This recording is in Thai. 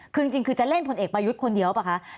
คือจริงคือจะเล่นพลเอกประยุทธ์คนเดียวหรือเปล่าคะ